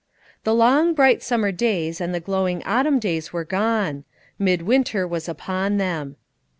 The long, bright summer days and the glowing autumn days were gone; mid winter was upon them.